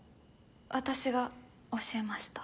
私が教えました。